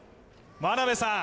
眞鍋さん